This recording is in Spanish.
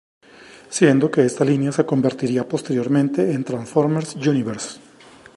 Siendo que esta línea se convertiría posteriormente en Transformers Universe.